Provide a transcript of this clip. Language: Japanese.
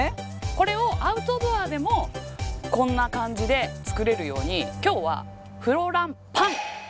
これをアウトドアでもこんな感じで作れるように今日はフロランパンにしたいと思います。